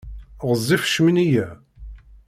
Ɣezzif ccmini-ya.